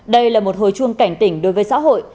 đây là một hồi chuông cảnh tỉnh đối với xã hội